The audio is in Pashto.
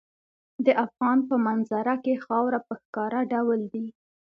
د افغانستان په منظره کې خاوره په ښکاره ډول دي.